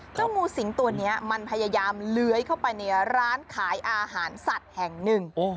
งูสิงตัวนี้มันพยายามเลื้อยเข้าไปในร้านขายอาหารสัตว์แห่งหนึ่ง